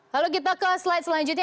lalu kita ke slide selanjutnya